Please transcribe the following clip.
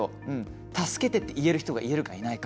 助けてって言える人がいるかいないか。